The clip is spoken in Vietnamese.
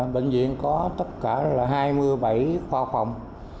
bệnh viện có tất cả là hai mươi bảy khoa phòng